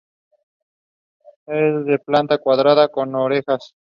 Es de planta cuadrada, con orejones.